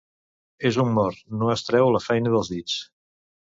És un mort, no es treu la feina dels dits.